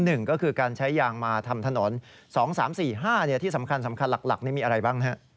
หนึ่งก็คือการใช้ยางมาทำถนน๒๓๔๕ที่สำคัญหลักนี่มีอะไรบ้างฮะ